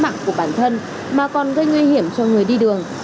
mạng của bản thân mà còn gây nguy hiểm cho người đi đường